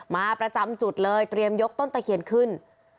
มาประจำจุดเลยเตรียมยกต้นตะเคียนขึ้น